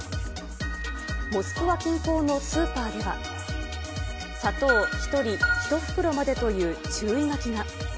モスクワ近郊のスーパーでは、砂糖１人１袋までという注意書きが。